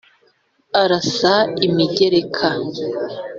arasa imigereka